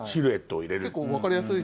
結構分かりやすい。